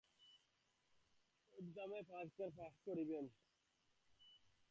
তিনি ওবেরলেহরেরএক্সামেন নামক পরীক্ষা পাস করেছিলেন।